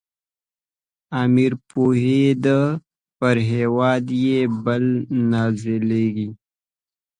امیر پوهېدی پر هیواد یې بلا نازلیږي.